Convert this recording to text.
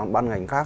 ban ngành khác